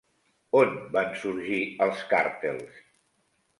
On van sorgir els càrtels?